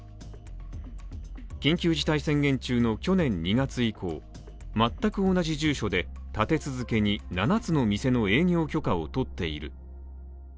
緊急事態宣言中の去年２月以降、全く同じ住所で立て続けに七つの店の営業許可を取っている。